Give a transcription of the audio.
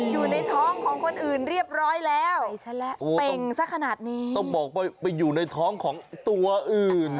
อยู่ในท้องของคนอื่นเรียบร้อยแล้วเป่งสักขนาดนี้ต้องบอกว่าไปอยู่ในท้องของตัวอื่น